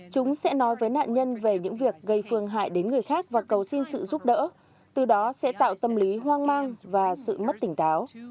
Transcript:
chúng sẽ nói với nạn nhân về những việc gây phương hại đến người khác và cầu xin sự giúp đỡ từ đó sẽ tạo tâm lý hoang mang và sự mất tỉnh táo